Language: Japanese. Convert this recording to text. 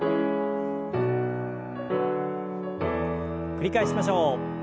繰り返しましょう。